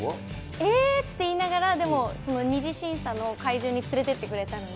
えって言いながら、二次審査の会場に連れて行ってくれたので。